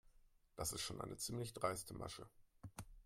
Das ist schon eine ziemlich dreiste Masche.